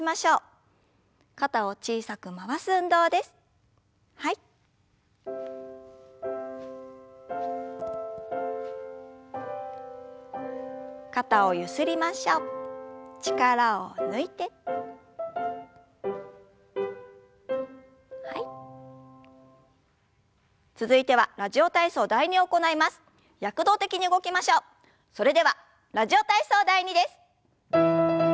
それでは「ラジオ体操第２」です。